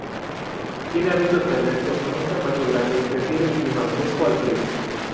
Tiene hábitos terrestres con un tamaño grande, prefiere el clima fresco al frío.